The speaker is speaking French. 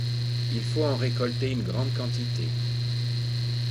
Il faut en récolter une grande quantité.